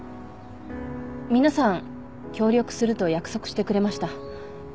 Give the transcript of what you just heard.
皆さん協力すると約束してくれました。